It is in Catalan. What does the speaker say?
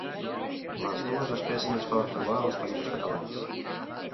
Les dues espècies es poden trobar als Països Catalans.